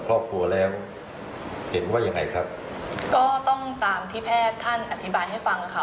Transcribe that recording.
ครอบครัวแล้วเห็นว่ายังไงครับก็ต้องตามที่แพทย์ท่านอธิบายให้ฟังค่ะ